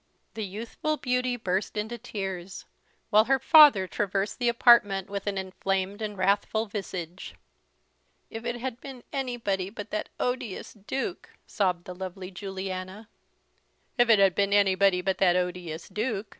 The youthful beauty burst into tears, while her father traversed the apartment with an inflamed and wrathful visage. "If it had been anybody but that odious Duke," sobbed the lovely Juliana. "If it had been anybody but that odious Duke!"